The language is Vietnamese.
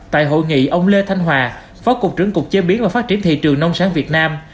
tại hội nghị ông lê thanh hòa phó cục trưởng cục chế biến và phát triển thị trường nông sản việt nam